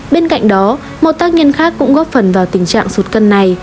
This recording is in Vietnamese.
bên cạnh đó một tác nhân khác cũng góp phần vào tình trạng sụt cân này